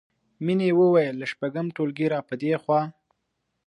مینې وویل له شپږم ټولګي راپدېخوا